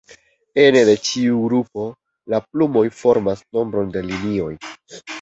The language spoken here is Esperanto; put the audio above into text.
Ene de ĉiu grupo, la plumoj formas nombron de linioj.